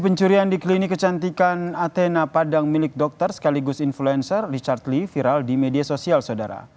pencurian di klinik kecantikan athena padang milik dokter sekaligus influencer richard lee viral di media sosial saudara